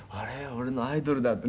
俺のアイドルだってね」